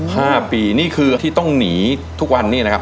ห้าปีนี่คือที่ต้องหนีทุกวันนี้นะครับ